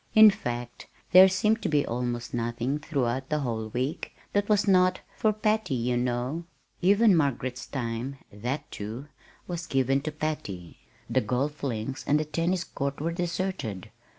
In fact there seemed to be almost nothing throughout the whole week that was not "for Patty, you know." Even Margaret's time that, too, was given to Patty. The golf links and the tennis court were deserted.